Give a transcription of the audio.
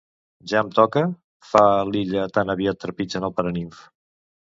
Ja em toca? —fa l'Illa tan aviat trepitgen el paranimf.